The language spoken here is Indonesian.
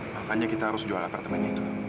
makanya kita harus jual apartemen itu